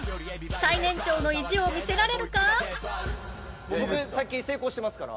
最年長の意地を見せられるか？